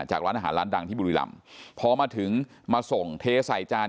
ร้านอาหารร้านดังที่บุรีรำพอมาถึงมาส่งเทใส่จาน